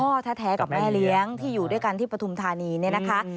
พ่อแท้กับแม่เลี้ยงที่อยู่ด้วยกันที่ปฐุมธานีเนี่ยนะคะ